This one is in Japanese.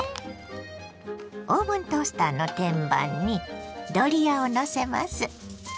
オーブントースターの天板にドリアをのせます。